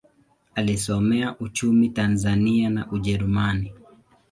Alisomea uchumi Tanzania na Ujerumani.